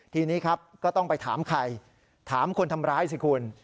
ทีนี้ครับก็ต้องไปถามใครถามคนทำร้ายสิคุณ